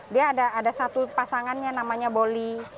dia ada satu pasangannya namanya boli